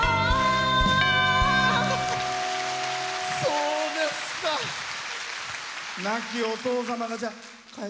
そうですか。